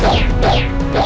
kalau kita menghadapi